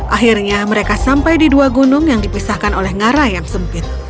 akhirnya mereka sampai di dua gunung yang dipisahkan oleh ngarai yang sempit